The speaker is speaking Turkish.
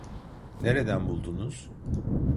Nereden buldunuz?